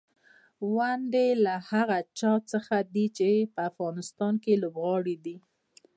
ونډې یې له هغه چا څخه دي چې په افغانستان کې لوبغاړي دي.